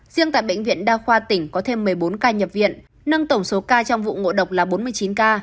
riêng tại bệnh viện đa khoa tỉnh có thêm một mươi bốn ca nhập viện nâng tổng số ca trong vụ ngộ độc là bốn mươi chín ca